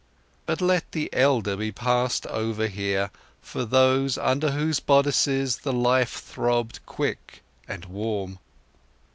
But let the elder be passed over here for those under whose bodices the life throbbed quick and warm.